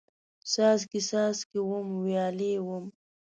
څاڅکي، څاڅکي وم، ویالې وم